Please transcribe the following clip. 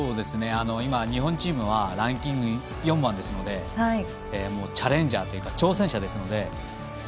今、日本チームはランキング４番ですのでチャレンジャーというか挑戦者ですので。